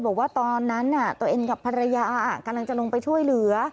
บอกว่าตอนนั้นตัวเองกับภรรยากำลังจะลงไปช่วยเหลือ